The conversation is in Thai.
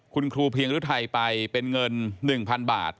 คุณครูเพียงฤทัยไปเป็นเงิน๑๐๐๐บาท